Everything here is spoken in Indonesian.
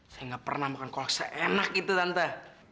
saya nggak pernah makan kolak seenak gitu tante